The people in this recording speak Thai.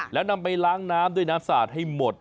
แล้วนำไปล้างน้ำด้วยน้ำสะอาดให้หมด